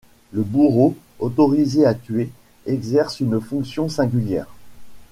Le bourreau, autorisé à tuer, exerce une fonction singulière.